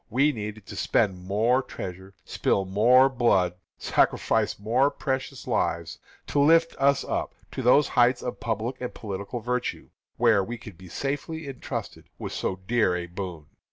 We needed to spend more treasure, spill more blood, sacrifice more precious lives, to lift us up to those heights of public and political virtue, where we could be safely entrusted with so dear a boon.